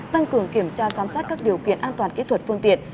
tăng cường kiểm tra giám sát các điều kiện an toàn kỹ thuật phương tiện